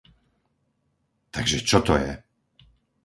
Takže čo to je?